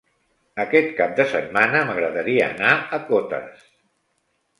Aquest cap de setmana m'agradaria anar a Cotes.